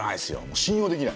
信用できない。